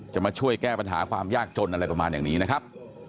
จะมาช่วยแก้ปัญหาความยากจนอะไรประมาณอย่างนี้นะครับ